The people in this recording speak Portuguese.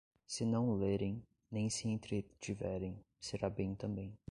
Senão o lerem, nem se entretiverem, será bem também.